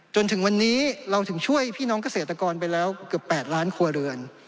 จนถึงวันนี้เราถึงช่วยพี่น้องเกษตรกรไปแล้วเกือบ๘ล้านครัวเรือน